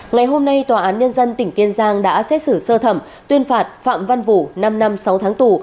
ngày hôm nay tòa án nhân dân tỉnh kiên giang đã xét xử sơ thẩm tuyên phạt phạm văn vũ năm năm sáu tháng tù